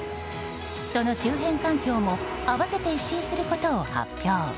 その周辺環境も合わせて一新することを発表。